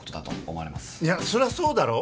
いやそりゃそうだろ。